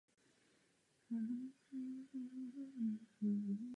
Ve Svobodných Dvorech prožil své dětství a navštěvoval základní školu.